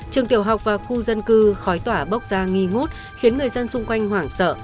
trường tiểu học và khu dân cư khói tỏa bốc ra nghi ngút khiến người dân xung quanh hoảng sợ